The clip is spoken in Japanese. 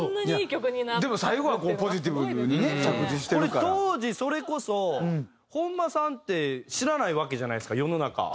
これ当時それこそ本間さんって知らないわけじゃないですか世の中。